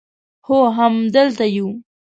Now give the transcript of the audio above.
هو همدلته یو